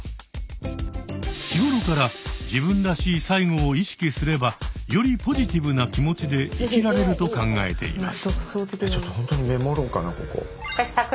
日頃から「自分らしい最期」を意識すればよりポジティブな気持ちで生きられると考えています。